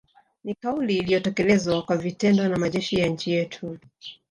Ni kauli iliyotekelezwa kwa vitendo na majeshi ya nchi yetu